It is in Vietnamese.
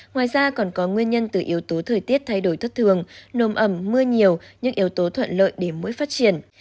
ngoài ra còn có nguyên nhân từ yếu tố thời tiết thay đổi thất thường nồm ẩm mưa nhiều những yếu tố thuận lợi để mũi phát triển